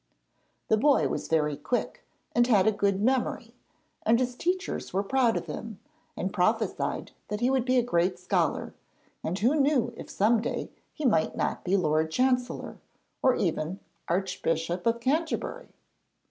The boy was very quick and had a good memory and his teachers were proud of him, and prophesied that he would be a great scholar, and who knew if some day he might not be Lord Chancellor, or even Archbishop of Canterbury?